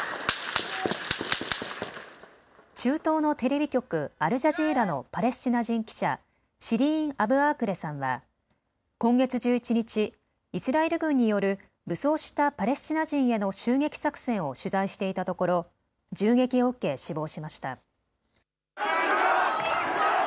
中東のテレビ局、アルジャジーラのパレスチナ人記者、シリーン・アブアークレさんは今月１１日、イスラエル軍による武装したパレスチナ人への襲撃作戦を取材していたところ銃撃を受け死亡しました。